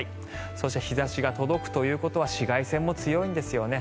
そして日差しが届くということは紫外線も強いんですよね。